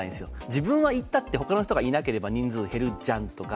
自分は行ったって他の人がいなければ、人数減るじゃんとか。